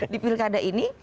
di pilkada ini